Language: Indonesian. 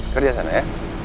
kerja sana ya